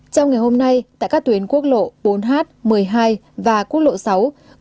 trong ngày hôm nay tại các tuyến quốc lộ bốn h một mươi hai và quốc lộ sáu